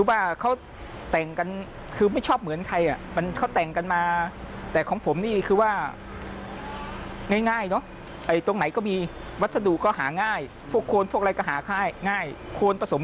อันนี้ทำเองเหรอครับ